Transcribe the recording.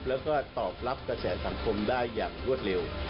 แล้วก็ตอบรับกระแสสังคมได้อย่างรวดเร็ว